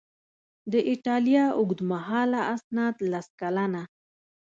د ایټالیا اوږدمهاله اسناد لس کلونه